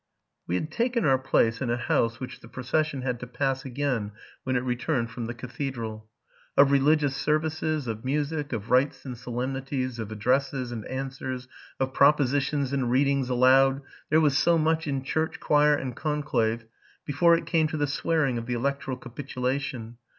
We had taken our place in a house which the procession had to pass again when it returned from the cathedral. Of religious services, of music, of rites and solemnities, of addresses and answers, of propositions and readings aloud, there was so much in church, choir, and conclave, before it came to the swearing of the electoral capitulation.